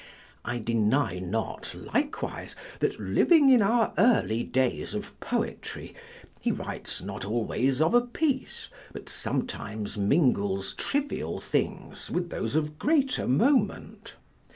I deny not, likewise, that, living in our early days of poetry, he writes not always of a piece, but sometimes mingles trivial things with those of greater moment.